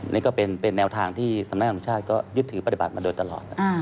นี่ก็เป็นแนวทางที่สำนักงานชาติก็ยึดถือปฏิบัติมาโดยตลอด